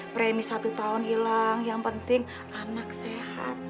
premis satu tahun hilang yang penting anak sehat